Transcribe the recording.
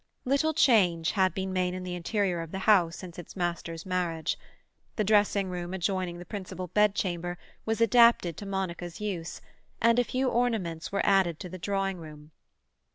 Little change had been made in the interior of the house since its master's marriage. The dressing room adjoining the principal bed chamber was adapted to Monica's use, and a few ornaments were added to the drawing room.